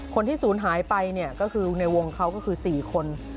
คนที่ศูนย์หายไปเนี่ยก็คือในวงเขาก็คือ๔คน